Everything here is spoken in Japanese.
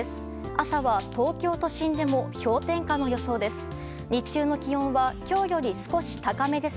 朝は東京都心でも氷点下の予想です。